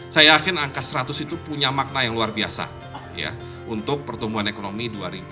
saya yakin angka seratus itu punya makna yang luar biasa untuk pertumbuhan ekonomi dua ribu dua puluh